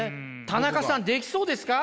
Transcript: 田中さんできそうですか？